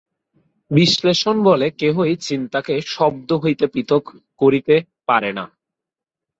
বিশ্লেষণবলে কেহই চিন্তাকে শব্দ হইতে পৃথক করিতে পারে না।